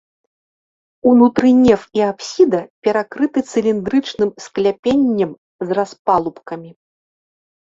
Унутры неф і апсіда перакрыты цыліндрычным скляпеннем з распалубкамі.